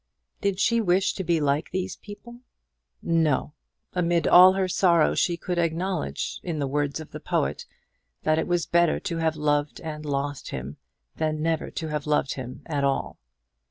Did she wish to be like these people? No! Amid all her sorrow she could acknowledge, in the words of the poet, that it was better to have loved and lost him, than never to have loved him at all.